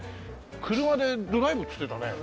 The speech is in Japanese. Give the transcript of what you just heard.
車でドライブっつってたね。